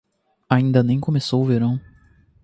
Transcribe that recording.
Ainda nem começou o verão.